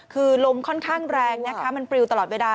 คือลมค่อนข้างแรงนะคะมันปลิวตลอดเวลา